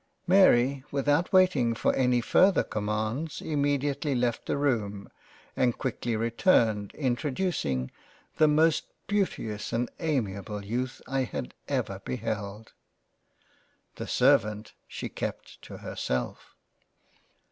Mary, without waiting for any further commands im mediately left the room and quickly returned introducing the most beauteous and amiable Youth, I had ever beheld. The servant, she kept to herself.